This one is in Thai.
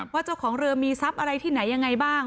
เจ้าของเรือมีทรัพย์อะไรที่ไหนยังไงบ้าง